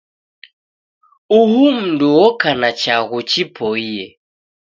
Uhu m'ndu oka na chaghu chipoie.